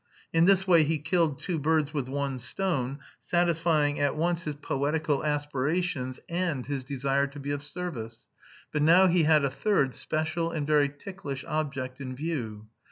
In this way he killed two birds with one stone, satisfying at once his poetical aspirations and his desire to be of service; but now he had a third special and very ticklish object in view.